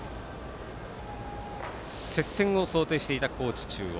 接戦を想定していた高知中央。